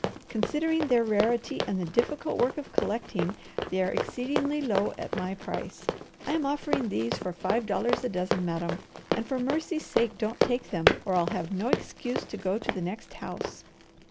Considering their rarity and the difficult work of collecting, they are exceedingly low at my price. I am offering these for five dollars a dozen, madam, and for mercy sake don't take them or I'll have no excuse to go to the next house."